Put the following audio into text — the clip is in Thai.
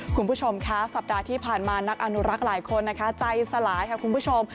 คุณผู้ชมคะสัปดาห์ที่ผ่านมานักอนุรักษ์หลายคนนะคะใจสลายค่ะคุณผู้ชม